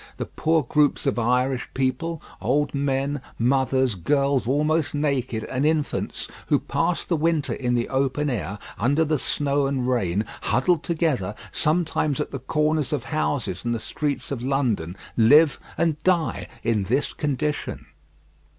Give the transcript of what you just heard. The poor groups of Irish people old men, mothers, girls almost naked, and infants who pass the winter in the open air, under the snow and rain, huddled together, sometimes at the corners of houses in the streets of London, live and die in this condition.